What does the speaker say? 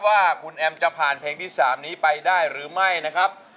ว่าคุณแอมจะผ่านเพลงที่๓นี้ไปได้หรือไม่นะครับ